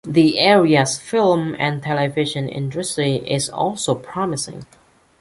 The area's film and television industry is also promising.